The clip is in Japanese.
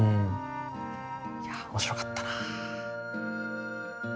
いや面白かったな。